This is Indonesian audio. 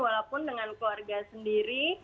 walaupun dengan keluarga sendiri